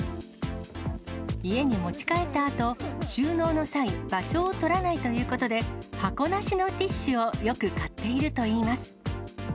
家に持ち帰ったあと、収納の際、場所を取らないということで、箱なしのティッシュをよく買っているといいます。